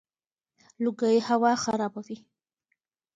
لوګي هوا خرابوي.